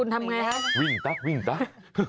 คุณทำอย่างไรครับวิ่งตั๊ะวิ่งตั๊ะ